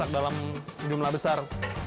jangan memasak dalam jumlah besar